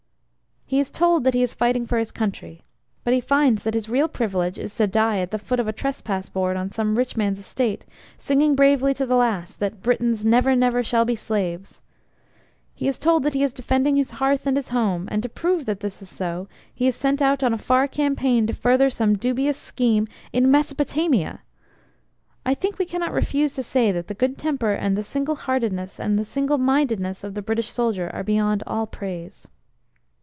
He is told that he is fighting for his country, but he finds that his real privilege is to die at the foot of a Trespass board on some rich man's estate, singing bravely to the last that "Britons never, never shall be slaves!" He is told that he is defending his hearth and his home, and to prove that that is so, he is sent out on a far campaign to further some dubious scheme in Mesopotamia! I think we cannot refuse to say that the good temper and they single heartedness and the single mindedness of the British soldier are beyond all praise.